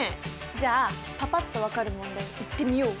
じゃあパパっと分かる問題いってみよう！